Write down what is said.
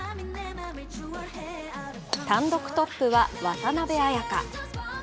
単独トップは渡邉彩香。